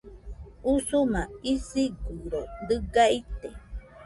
Usuma isigɨro dɨga ite